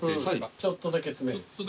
ちょっとだけ詰める。